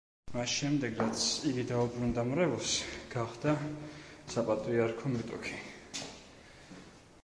მას შემდეგ, რაც იგი დაუბრუნდა მრევლს, გახდა საპატრიარქო მეტოქი.